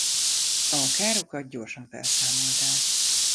A károkat gyorsan felszámolták.